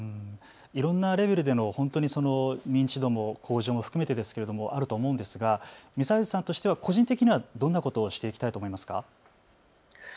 いろんなレベルでの認知度の向上も含めてあると思うんですが美齊津さんとしては個人的にはどんなことをしていきたいと思いますか。